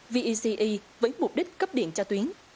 v e c e với mục đích cấp điện trao tuyến